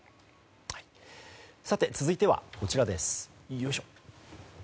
続いてはこちらです。